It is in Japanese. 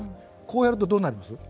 こうやるとどうなります？